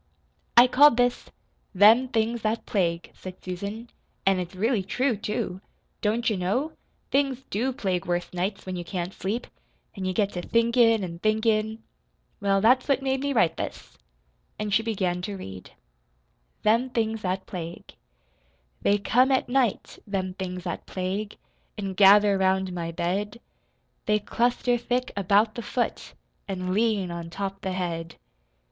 "I called this 'Them Things That Plague,'" said Susan. "An' it's really true, too. Don't you know? Things DO plague worse nights, when you can't sleep. An' you get to thinkin' an' thinkin'. Well, that's what made me write this." And she began to read: THEM THINGS THAT PLAGUE They come at night, them things that plague, An' gather round my bed. They cluster thick about the foot, An' lean on top the head.